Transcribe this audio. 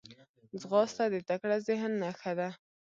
ځغاسته د تکړه ذهن نښه ده